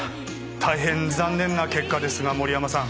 大変残念な結果ですが盛山さん